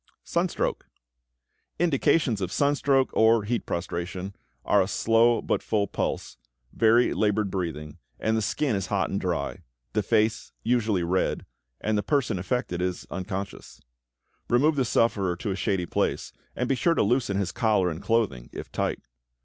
=Sunstroke.= Indications of sunstroke or heat prostration are a slow but full pulse, very labored breathing, and the skin is hot and dry, the face usually red, and the person affected is unconscious. Remove the sufferer to a shady place, and be sure to loosen his collar and clothing, if tight.